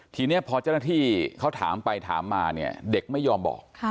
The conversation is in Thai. ทีนี้พอเจ้าหน้าที่เขาถามไปถามมาเนี่ยเด็กไม่ยอมบอก